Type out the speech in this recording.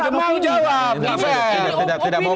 nggak mau jawab